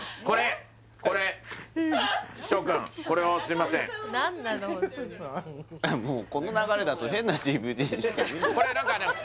これ何かね